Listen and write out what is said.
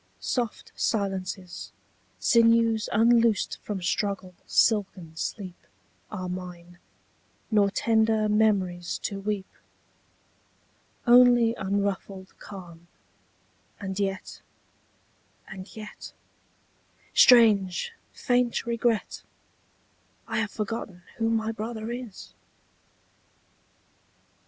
Soft silences, Sinews unloosed from struggle, silken sleep, 27 Are mine; nor tender memories to weep. Only unruffled calm; and yet — and yet — Strange, faint regret — I have forgotten who my brother is!